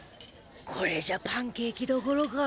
これじゃパンケーキどころか。